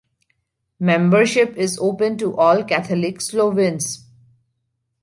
Membership is open to all Catholic Slovenes.